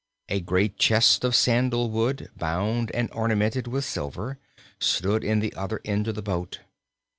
A great chest of sandalwood, bound and ornamented with silver, stood in the other end of the boat.